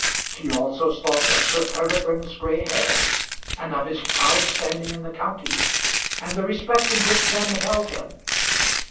She also thought of Sir Peregrine's gray hairs, and of his proud standing in the county, and the respect in which men held him.